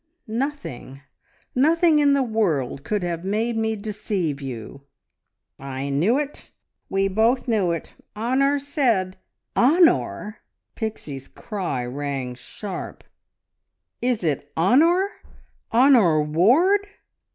Nothing, nothing in the world could have made me deceive you!" "I knew it! We both knew it! Honor said " "Honor!" Pixie's cry rang sharp. "Is it Honor? Honor Ward?"